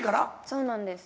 そうなんです。